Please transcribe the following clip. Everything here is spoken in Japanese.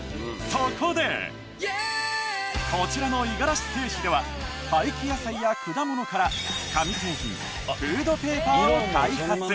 そこでこちらの五十嵐製紙では廃棄野菜や果物から紙製品フードペーパーを開発。